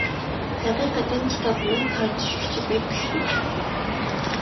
ھەقىقەتەن كىتابنىڭ ‹ ‹تارتىش كۈچى› › بەك كۈچلۈك.